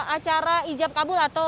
acara ijab kabul atau